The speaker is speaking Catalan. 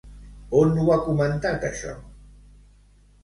On ho ha comentat això?